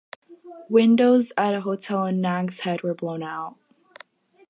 Windows at a hotel in Nags Head were blown out.